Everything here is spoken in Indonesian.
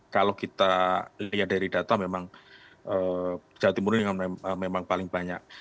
kalau kita lihat dari data memang jawa timur ini memang paling banyak